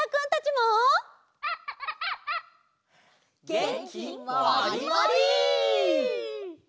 げんきもりもり！